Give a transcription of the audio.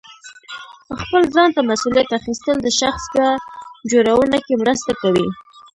خپل ځان ته مسؤلیت اخیستل د شخصیت په جوړونه کې مرسته کوي.